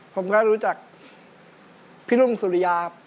ผมก็รู้จักพี่รุ่งสุริยาครับ